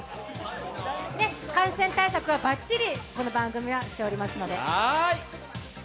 感染対策はばっちりこの番組はしておりますので。